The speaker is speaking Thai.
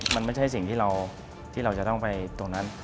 มันไม่ใช่สิ่งที่เราจะต้องไปตรงนั้น